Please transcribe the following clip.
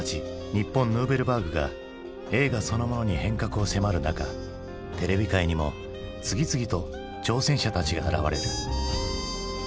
日本ヌーベルバーグが映画そのものに変革を迫る中テレビ界にも次々と挑戦者たちが現れる。